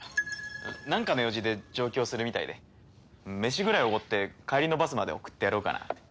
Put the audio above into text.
なんかの用事で上京するみたいで飯ぐらいおごって帰りのバスまで送ってやろうかなって。